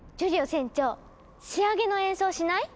船長仕上げの演奏しない？